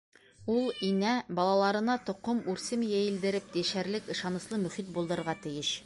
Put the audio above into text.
Ул, Инә, балаларына тоҡом-үрсем йәйелдереп йәшәрлек ышаныслы мөхит булдырырға тейеш.